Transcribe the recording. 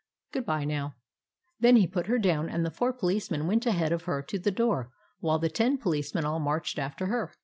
Good bye, now." Then he put her down, and the four police men went ahead of her to the door, while the ten policemen all marched after her.